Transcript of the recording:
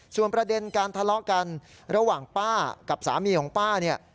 ส่วนประเด็นการทะเลาะกันระหว่างป้ากับสามีของป้าเนี่ย